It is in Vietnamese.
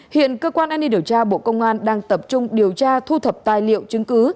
hiện cơ quan an ninh điều tra bộ công an đang tập trung điều tra thu thập tài liệu chứng cứ